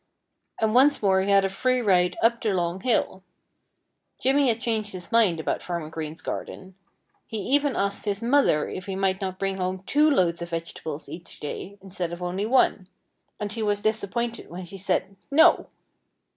And once more he had a free ride up the long hill. Jimmy had changed his mind about Farmer Green's garden. He even asked his mother if he might not bring home two loads of vegetables each day, instead of only one. And he was disappointed when she said "No!"